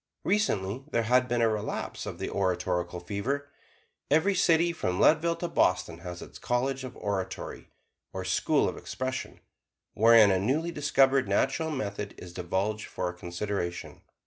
Recently, there has been a relapse of the oratorical fever. Every city from Leadville to Boston has its College of Oratory, or School of Expression, wherein a newly discovered "Natural Method" is divulged for a consideration.